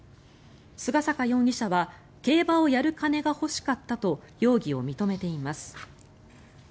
菅坂容疑者は競馬をやる金が欲しかったと容疑を認めています。